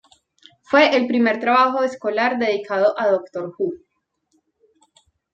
Fue el primer trabajo escolar dedicado a "Doctor Who".